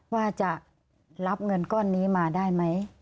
ว่าจะรับเงินก้อนนี้มาได้ไหม